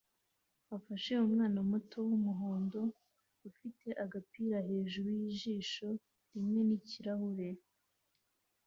afashe umwana muto wumuhondo ufite agapira hejuru yijisho rimwe nikirahure